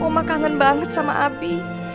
mama kangen banget sama abi